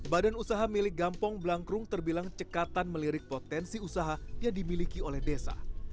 badan usaha milik gampong blangkrung terbilang cekatan melirik potensi usaha yang dimiliki oleh desa